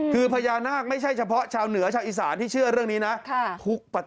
คือพญานาคไม่ใช่เฉพาะชาวเหนือชาวอีสานที่เชื่อเรื่องนี้นะ